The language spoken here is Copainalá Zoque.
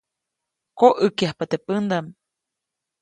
Koʼäkyajpa teʼ pändaʼm.